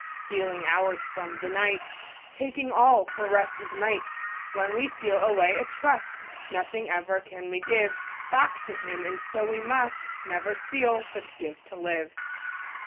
Stealing hours from the Night Taking all — for rest is Might. When we steal away a Trust, Nothing ever can we give Back to him and so we must Never Steal, but Give to Live.